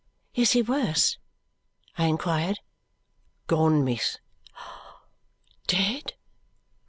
"Is he worse?" I inquired. "Gone, miss. "Dead!"